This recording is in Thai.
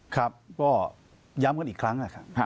ครับเพราะย้ำกันอีกครั้งแหละค่ะ